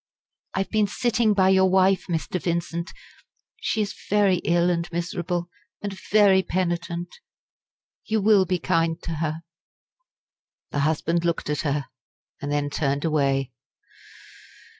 "I have been sitting by your wife, Mr. Vincent. She is very ill and miserable, and very penitent. You will be kind to her?" The husband looked at her, and then turned away.